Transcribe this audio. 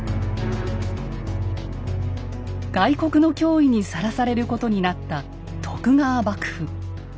外国の脅威にさらされることになった徳川幕府。